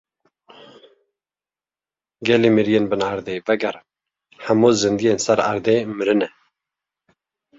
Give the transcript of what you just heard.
Gelî miriyên bin erdê! Vegerin, hemû zindiyên ser erdê mirine.